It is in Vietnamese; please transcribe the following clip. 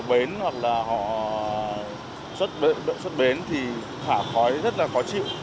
bến hoặc là họ xuất bến thì thả khói rất là khó chịu